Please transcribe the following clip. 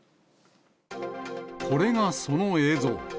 これがその映像。